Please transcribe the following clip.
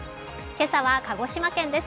今朝は鹿児島県です。